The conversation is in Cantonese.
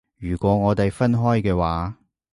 如果我哋分開嘅話